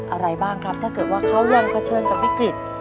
อะไรบ้างครับถ้าเกิดว่าเขายังเผชิญกับวิกฤต